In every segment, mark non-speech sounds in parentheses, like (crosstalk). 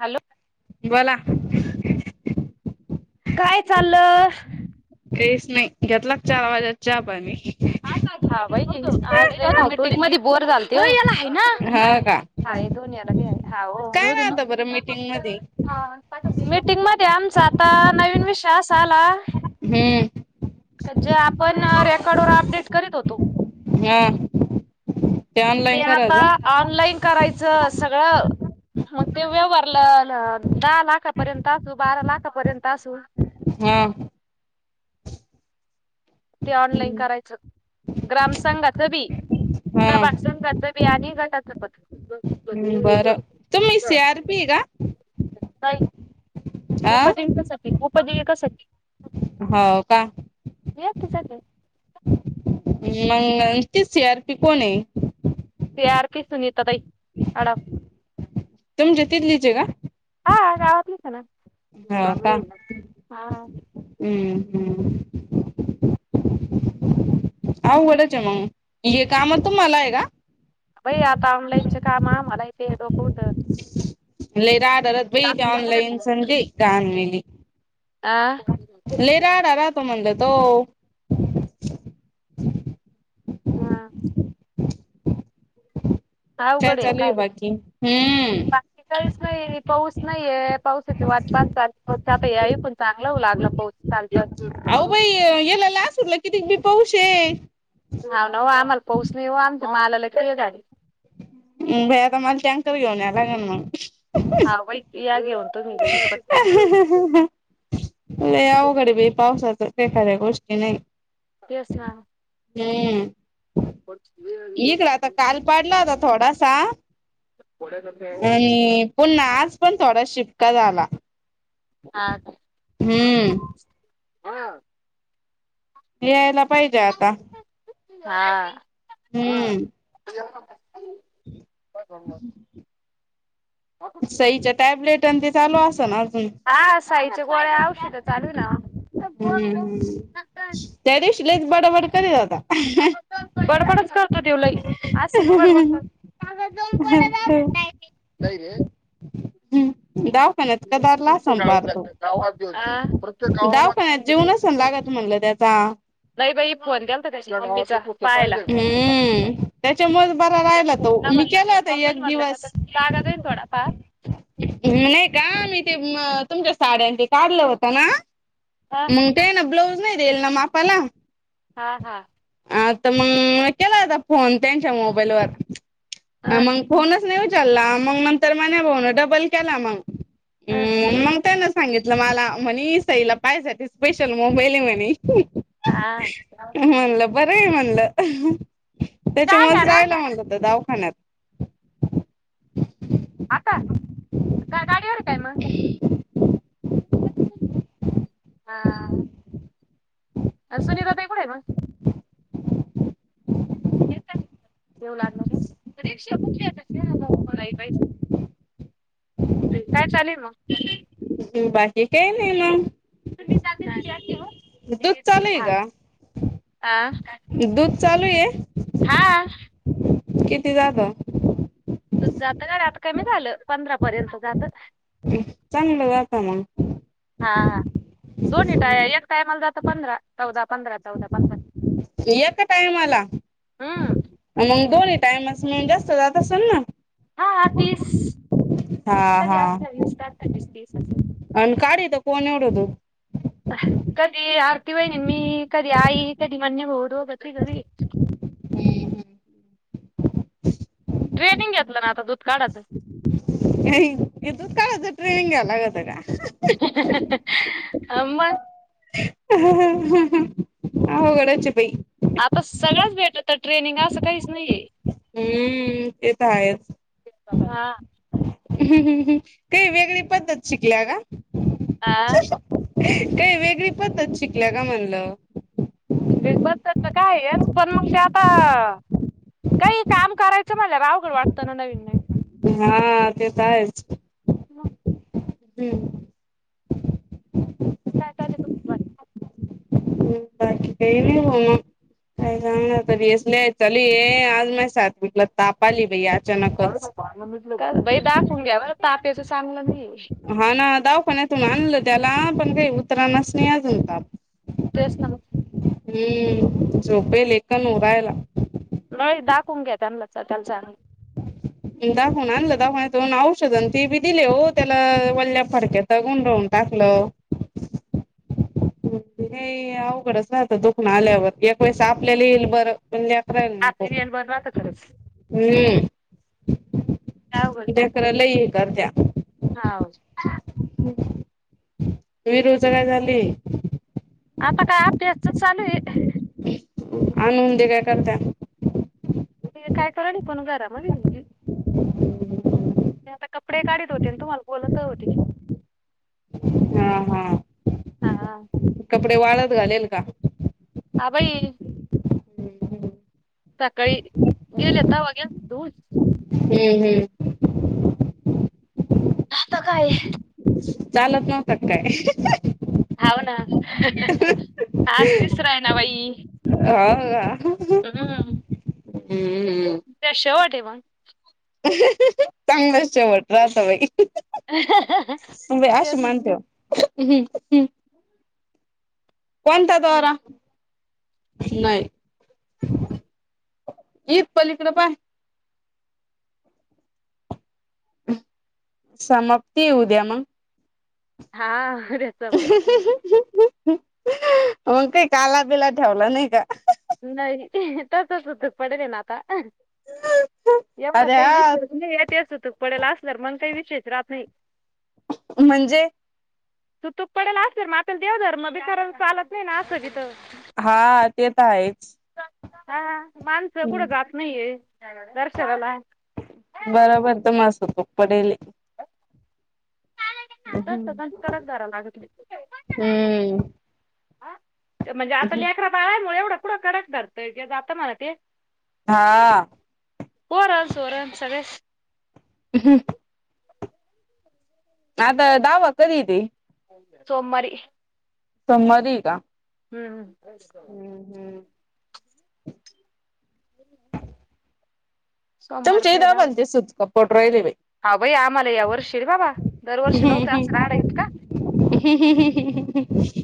Hello. बला काय चाललं. काहीच नाही घेतला चार वाज्यात चहा पाणी हाहिती म बोरचालते याला आहे ना. हा का? हा दोनियाला बी आहे. हा हो काय रो दे नाही ना. आता बरं मीटिंग मध्ये मीटिंग मध्ये आमचा आता नवीन विषय असा आला. हम्म.. जे आपण रेकॉर्ड वर अपडेट करीत होतो. हा ऑनलाईन ते आता करायचं ऑनलाईन करायचं सगळं.. मग ते व्यवहारला दहा लाखापर्यंत असू. बारा लाखापर्यंत असू. हम.. ते ऑनलाईन करायचं ग्राम संघाचं बी. हा का बागसुन जातं बियाणी घटात हम् बरं तुम्ही सी आर पी का? आ उपजिविकासाठी उपदयकासाठी. हो का? व्यक्ती गले मग ते सी आर पी कोण आहे. तर पी सुनीताातई अडव तुम जती लिजे ग. हां गावावातली स हा का हम्म हम्म. अवघडच आहे. मग ये काम तुम्हाला आहे. का? बई आता ऑनलाईच कामं मलाय ते डोकं ल रातरत बई आ ते ऑनलाईन संजे कान मली लई राडा रा राहतो. म्हणलं तो हां आवघडेन चालू आहे काय? बाकी? हम्म. काहीच नाही पाऊस नाहीये पाऊसाचे वाटपातात चालछताई पण चांगला होऊ लागला. पाऊस चालतं.. अहो बाई येलाला. लासूर ला किती पाऊस आहे नाव ना आम्हाला पाऊस नाही. आम मालाला आला का गाडी ह भई आता मला टँकर घेऊन या. लागेल मग.. हां वई या घेऊन. तुम्ही दोघि पटकन हम् हम.. लई अवघडे बई पावसाच काय खऱ्या गोष्टी नाही. यस मॅम.. हम्म.. हो. एकक राता काल पडला होता. थोडासा आणि.. पुन्हा आजपण थोडा शिपका झाला. हां.. हम्म. यांयला पाहिजे आता.. हां.. हम्म.. काय ग? (inaudible) सईच्या टॅबलेट आणि ते चालू असतं ना अजून हा साईच्या गोळ्या औषध तर चालूयं ना त्यादिवशी लईच बडबड करीत होता. बडफडच करतो. तेवलई आज सिड ह हम्.. नाहीै र.. हम्म जा. ण्यात कदारला कुस्ते गाळत संपारतो जातात गावात प्रत्येक गावामध्ये दावखान्यात कुस्ते गाळत जेवनच लागतं म्हणलं. त्याचा नाही बाई फोन द्याल. तर त्याच्या पाहायला. त्याच्या म बरा त्या राहिला तो फोन ना मी म्हणलं ते केला होता मम्मीला एक म्हणलं त्याचा दिवस लागा जाईल थोडा फार नाही का मी ते तुमच्या साड्यांचे काढलं होतं ना हा मग ते ना ब्लाऊज नाही देईल ना मापाला हा हा आता मग केला आता फोन त्यांच्या मोबाईलवर हा मग फोनच नाही उचलला मग नंतर म बोन डबल केला मग हा मग त्या न सांगितलं मला म्हनी साईला पाय झाे स्पेशल मोबईले म्हणे हा बर आहे म्हणलं त्याच्या चहा मज घ्या ना रायला म्हणलं तर दावाखान्यात आता काय गाडीवर काय मग? ह सुनीता ताई कुठ आहे मग येतात येऊ लागलं तर रिक्षा कुठली येता काय बाई काय चालेल. मग (inaudible) बाकी काय नाही. मग.. दूध चालू आहे का? तुम्ही? दूध चालू. ये हां किती जात तू जात का र आता कमी झालं पंधरा पर्यंत जात (inaudible) चांगलं जाताना हा दोन्ही टाय एक टायमाला जात पंधरा चौदा पंधरा चौदा पंधरा (inaudible) एका टायमला हम्म मग दोन्ही टाइमसग जास्त जात असेल ना हा हा तीस हा कधी हा असतता वीस तीस असेल आणि कार येत कोण एवढ हो तो कधी आरती वहीनी मी कधी आई कधी म्नाया भाऊ दोघं तिघ (inaudible) हम्म हम ट्रेनिंग घेतलं ना आता दूध काढाचं (unintelligible) ते इथ काढायचं ट्रेनिंग घ्यावं लागत का (unintelligible) अ्म ह ह अवघडच आहे बाई आता सगळ्च भेटत तर ट्रेनिंग असं काहीच नाहीये हम्म ते तर आहेच (inaudible) हा हम् हम् हम् ते वेगळी पद्धत शिकल्या ग आ.. (unintelligible) काय वेगळी पद्धत शिकल्या का म्हणलं? काय हेच पण मग ते आता काही काम करायच मला अवघड वाटत ना नवीन (unintelligible) हा ते तर आहेच मग हम्म काय काय तुमच (unintelligible) बाकी काही नाही मग काय सांगणार तर भसले चलू ये आज माझ (unintelligible) ताप आली बाई आज (unintelligible) बाई दाखवून घ्या बर ताप यायच चांगलं नाही हा ना दवाखान्यातून आणलं त्याला पण काही उतरानाच नाही अजून ताप तेच ना मग (inaudible) हम्म झोपेल एकान र (unintelligible) नाही दाखवून घ्या त्यांना त्याला चां ह दाखवून आणलं दाखवून येत औषध आणि ते बी दिले हो त्याला वल्ल्या फडक्याचा गुंडवून टाकलं हे अवघडच ना आता दुखनं आल्यावर एक वेळेस आपल्याला येईल बरं पण (unintelligible) राहील नको आपल्याला बरं राहतं खरंच हम्म (unintelligible) (unintelligible) लय (unintelligible) हा.. हम् (inaudible) त्ही रोज काय झाली आता का (unintelligible) चालू हाय (unintelligible) काय करताय? काय (unintelligible) पण घरामध्ये (unintelligible) ते आता कपडे काढीत होते. तुम्हाला बोलत होते कि. हा, हा. हा कपडे वाळत घालेल का? हा बाई (unintelligible) हम्म हम् सकाळी गेले तवा गेले धुनं हम्म, हम्म. आता काय? चालत नवता का काय? हाव ना. आज तिसरा आहे ना बाई. हाआ हा. हम. हम्मम्. त्या शेवटे (unintelligible) चांगलंच शेवट राहत बाई त बाई अशे तेच मानतेव. हम्म हम्म. कोणता दोरा? नाही. ही पलीकडे पाय. समाप्ती येऊ द्या मग. हा (unintelligible) समाप्ती. मग काही काला बिला ठेवला नाही का? नाही. तसच द पडे देना आता. एवढा अरे काही हा विषय याचतर पडेला असल मग काही विषयच राहत नाही. म्हणजे? त तुक पडेल असेल म आप देव धर मग बी खर चालत नाही ना असं किथ. हा ते तर आहेच. हा. माणसं कुठं हम्म जात नाहीये दर्शनाला. बरोबर. तर मास होतो पडेले. तस हम्म (unintelligible) कडक दारा लागतली. म्हणजे आता हम्म लेकरा बाळायमुळे एवढं पुथढं कडक धरतंय जात मला ते. हा. पोरसोरा सगळेच. ह. आता दावा कधीे यिती? सोमारी. सोमवारी हे का? हं. हम्म, हम्म. (inaudible) सोमवारच तुमचे आहे द दाव बांते सुटका पोट राहिले बाई. हा भाई आम्हाला या वर्षी बाबा दरवर्षी नव्हते आ काडाईत का.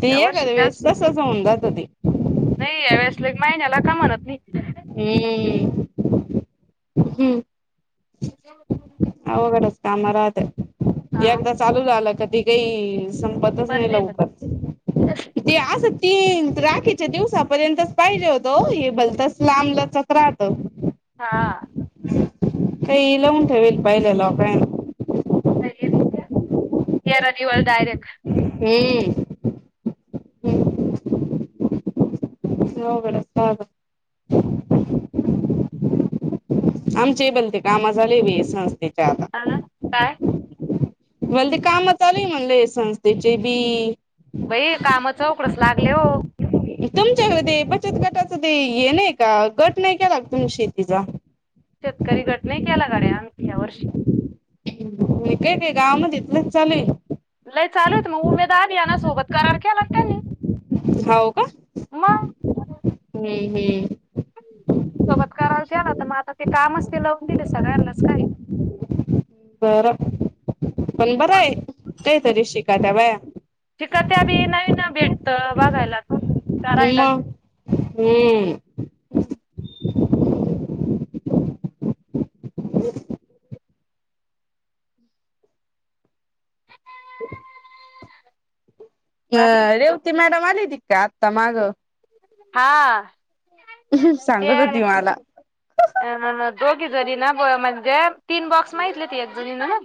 ते या वर्षी येकाद्या वेळस जास्त तसचं होऊन जात ते. नाही या वळेसले महिन्याला का म्हणत नाहीत. हम्म. हम. (unintelligible) अवघडच काम राहत हा एकदा चालू झालं कधी काही संपतच नाही पडले लवकर. तेच ते असं तीन राखीच्या दिवसापर्यंतच पाहिजे होतं ओ बलतस लांबलचक राहत. हा काही लावून ठेवेल पाहिले लोकायन. (unintelligible) डयरेक्ट. हम्म. हो बड (unintelligible) आमचे बलते कामा झाले व संस्थेच्या आता. (unintelligible) काय? मला ते काम आलंय म्हणले संस्थेचे बी. भाई काम चौकडच लागले हो. तुमच्याकडे ते बचत गटाच ते येनय का गट नाही का लागत तुम शेतीचा. शेतकरी गट नाही केला गड्या आणख्या वर्षी. म काय ते गाव मध्ये इथलंच चालू आहे. लई चालू मग उमेद आधी याना सोबत करार केला त्यांनी. हाव का? मंग. हम्मं हम्मं. सोबत करार केला आता म आता ते कामच ते लावून दिले सगळल्यांनाच काय. बर पण बरं आहे काहीतरी शिका त्या बाया. शिकत्या बी नवीन भेटतं बघायला तही. मंग हम्म. हम्म. (inaudible) ह बाकी रेवती मॅडम आलिदी का आत्ता माग. हा. ते सांगत होती मला. अ दोघी झरी ना ब म्हणजे तीन बॉक्स म इेतले त एक झरी नवं.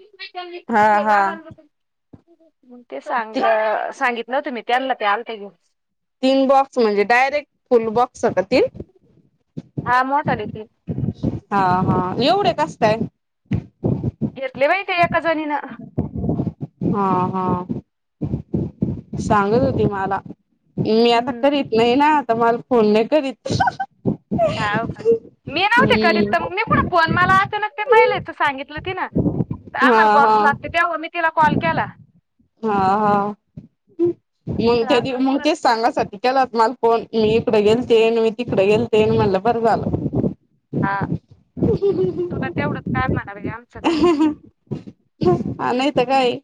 हा हा (unintelligible) म ते सांग ती सांगितलं तुम्ही. त्यालं ते आलत घे. तीन बॉक्स म्हणजे डायरेक्ट फुल बॉक्स होत तीन. हा मोठाले ती हा हा एवढे कस्टाय. घेतले बाई ते एका जणीनं. हा हा सांगत होती मला. मी आता हम्म करीत नाही ना आता मला फोन नाही करीत. हा का मी नव्हते करीत तर मग हम्म मी को फोन मला आता ना ते महिलाच सांगितलं तिनं. हा आम्हाला हा बॉक्स लागते तेव्हा मी तिला कॉल केला. हा हा मग तर त्या दि आपलं मग कुठं तेच सांगासाठी. केला मला फोन मी इकडें गेलते अन मी तिकडें गेलते अन म्हणलं बरं झालं. हा. तुला तेवढंच काय म्हणावे आमचं काय (unintelligible) अ नाही तर काये.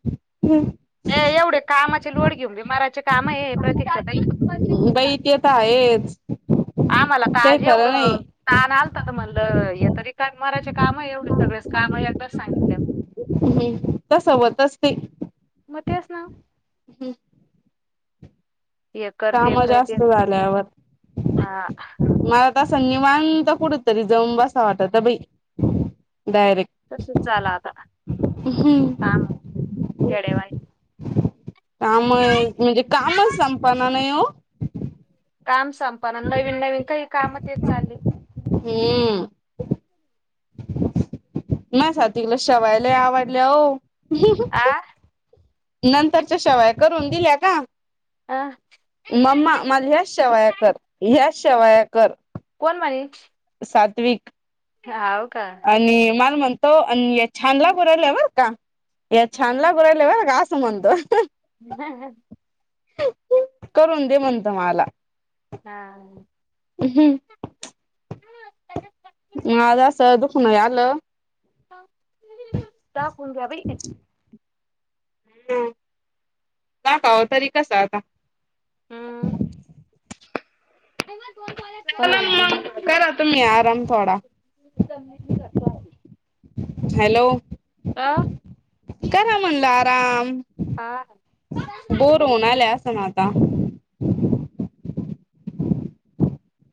ए एवढे कामाचे लोड घेऊन बे मराचे काम आहे प्रतीक्षा ताई. बाई ते तर आहेच. आम्हाला काही ताज खरं नाही एवढं ताण आलतात म्हणलं हे तरी का मरायचे काम आहे एवढे सगळेच काम आहे या तर सांगितले. तसं होतंस ती. म तेच ना. य कर ते काम कर ते जास्त झाल्यावर हा. मला तर संन्यवांत कुढे तरी जमं वाटत बई डायरेक्ट तसच झालं हम्म आता गडेवाई काम म्हणजे कामच संपना नाही हो काम संपना नवीन नवीन काही कामच चालले हम्म नाही साातिकला शवायला आवडल्या हो आ नंतरच्या शेवया करून दिल्या का? अ मम्मा मला ह्याच शेवाया कर ह्याच शेवाया कर. कोण माणे. सात्विक. हाव का. आणि मला म्हणतो आणि या छानला गोरायला हवल का या छानला गोरायला हवाल का संबंध हम ह करून दे म्हणत मला हा ह ह् मज असं दुख नाही आलं पन द्या भाई ह नका तरी कसं आता हम्म करा मग ो करा तुम्ही आराम थोडा ज मी रसली हॅलो कारा म्हणला आराम आ बो रोना लया सनाता